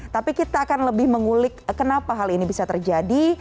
tapi kita akan lebih mengulik kenapa hal ini bisa terjadi